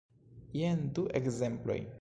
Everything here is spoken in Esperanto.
Jen du ekzemploj.